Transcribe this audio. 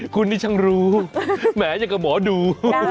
คุณนี่ช่างรู้แหมอย่างกับหมอดู